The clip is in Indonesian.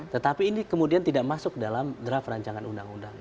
tetapi ini kemudian tidak masuk dalam draft rancangan undang undang